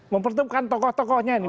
mempertemukan tokoh tokohnya ini